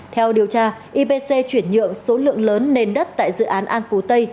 theo điều tra ipc chuyển nhượng số lượng lớn nền đất tại dự án an phú tây